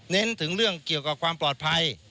ถึงเรื่องเกี่ยวกับความปลอดภัย